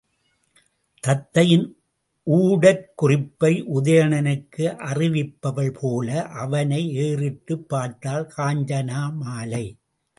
தத்தையின் ஊடற் குறிப்பை உதயணனுக்கு அறிவிப்பவள்போல அவனை ஏறிட்டுப் பார்த்தாள் காஞ்சனமாலை.